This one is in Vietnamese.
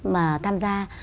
mà tham gia